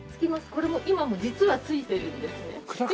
これも今も実はついてるんですね。